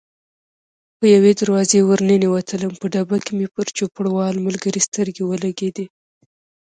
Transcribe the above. په یوې دروازې ور ننوتلم، په ډبه کې مې پر چوپړوال ملګري سترګې ولګېدې.